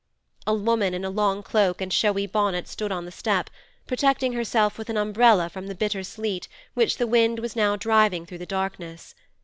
A woman in a long cloak and a showy bonnet stood on the step, protecting herself with an umbrella from the bitter sleet which the wind was now driving through the darkness.